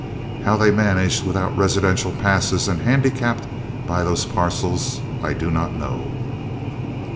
How they managed without residential passes and handicapped by those parcels, I do not know."